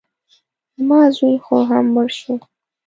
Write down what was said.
زما زوی خو هم مړ شو.